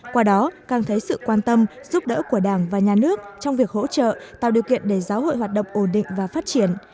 qua đó càng thấy sự quan tâm giúp đỡ của đảng và nhà nước trong việc hỗ trợ tạo điều kiện để giáo hội hoạt động ổn định và phát triển